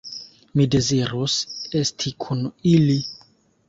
Mi dezirus esti kun ili.